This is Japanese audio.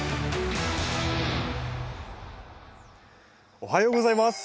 おはようございます。